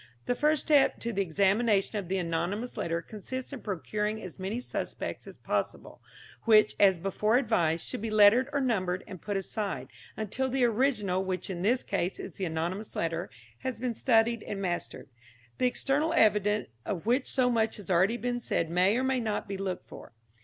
The first step to the examination of the anonymous letter consists in procuring as many suspects as possible, which, as before advised, should be lettered or numbered and put aside, until the original, which in this case is the anonymous letter, has been studied and mastered. The external evidence of which so much has already been said may or may not be looked for.